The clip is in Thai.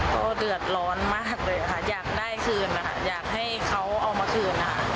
ก็เดือดร้อนมากเลยค่ะอยากได้คืนนะคะอยากให้เขาเอามาคืนนะคะ